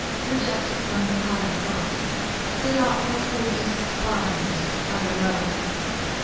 Rejected from the higher class, they are also despised by the lower.